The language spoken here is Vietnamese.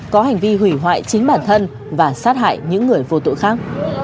có hành vi hủy hoại chính bản thân và sát hại những người vô tội khác